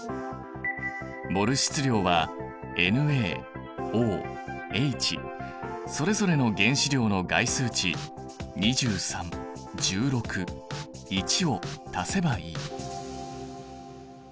モル質量はＮａＯＨそれぞれの原子量の概数値２３１６１を足せばいい。